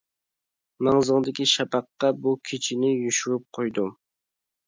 مەڭزىڭدىكى شەپەققە بۇ كېچىنى يوشۇرۇپ قويدۇم.